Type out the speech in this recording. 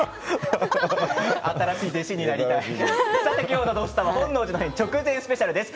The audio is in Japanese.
今日の「土スタ」は本能寺の変直前スペシャルです。